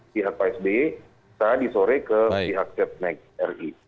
pihak psb tadi sore ke pihak cetneg ri